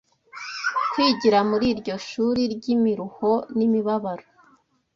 Kwigira muri iryo shuri ry’imiruho n’imibabaro